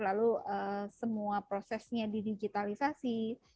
lalu semua prosesnya didigitalisasi